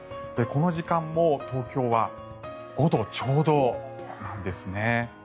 この時間も東京は５度ちょうどですね。